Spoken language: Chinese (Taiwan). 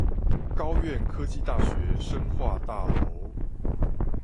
高苑科技大學生化大樓